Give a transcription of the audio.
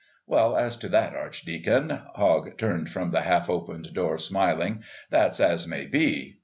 "Well, as to that, Archdeacon," Hogg turned from the half opened door, smiling, "that's as may be.